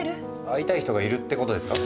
会いたい人がいるってことですか？